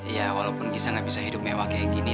ya walaupun kita gak bisa hidup mewah kayak gini